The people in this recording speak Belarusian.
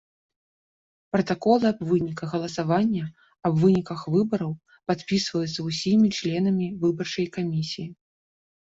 Пратаколы аб выніках галасавання, аб выніках выбараў падпісваюцца ўсімі членамі выбарчай камісіі.